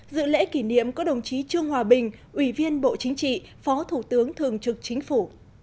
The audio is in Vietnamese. dự lễ kỷ niệm có đồng chí trương hòa bình ủy viên bộ chính trị phó thủ tướng thường trực chính phủ